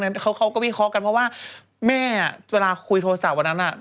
เขาก็วิเคราะห์กันเพราะว่าแม่เวลาคุยโทรศัพท์วันนั้น